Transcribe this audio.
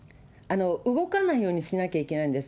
動かないようにしなきゃいけないんです。